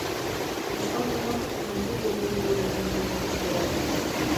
Euskaldunok maite dugu gure mundu ikuskera.